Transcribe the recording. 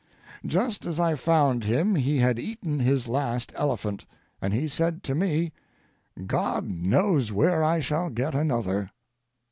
Just as I found him he had eaten his last elephant, and he said to me: "God knows where I shall get another."